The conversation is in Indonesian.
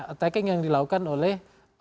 attacking yang dilakukan oleh